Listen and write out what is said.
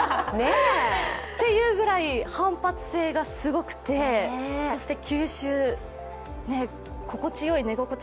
というくらい反発性がすごくて吸収、心地よい寝心地。